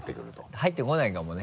入ってこないかもね。